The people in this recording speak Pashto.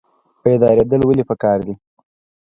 بیداریدل ولې پکار دي؟